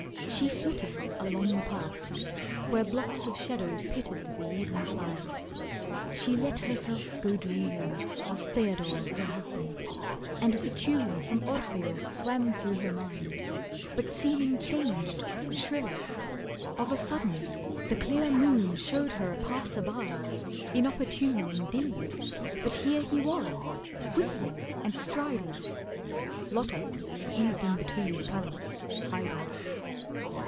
She flitted Along the path, where blocks of shadow pitted The even flags. She let herself go dreaming Of Theodore her husband, and the tune From 'Orfeo' swam through her mind, but seeming Changed shriller. Of a sudden, the clear moon Showed her a passer by, inopportune Indeed, but here he was, whistling and striding. Lotta squeezed in between the currants, hiding.